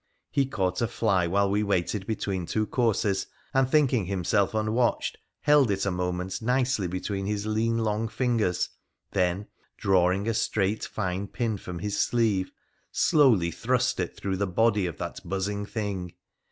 He caught a fly while we waited between two courses, and, thinking himself unwatched, held it a moment nicely between his lean, long fingers, then, drawing a straight fine pin from his sleeve, slowly thrust it through the body of that buzzing thing.